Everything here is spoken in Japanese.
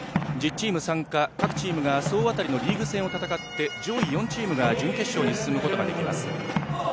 １０チーム参加、各チームが総当たりのリーグ戦を戦って上位４チームが準決勝に進むことができます。